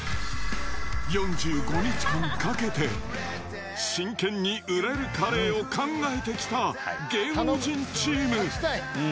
４５日間かけて、真剣に売れるカレーを考えてきた芸能人チーム。